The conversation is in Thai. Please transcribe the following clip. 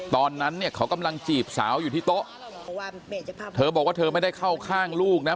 ตอนนั้นเนี่ยเขากำลังจีบสาวอยู่ที่โต๊ะเธอบอกว่าเธอไม่ได้เข้าข้างลูกนะ